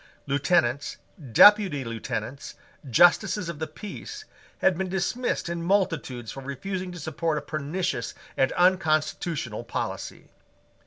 Lieutenants, Deputy Lieutenants, Justices of the Peace, had been dismissed in multitudes for refusing to support a pernicious and unconstitutional policy.